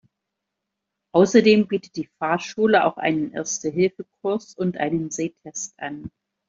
Außerdem bietet die Fahrschule auch einen Erste-Hilfe-Kurs und einen Sehtest an.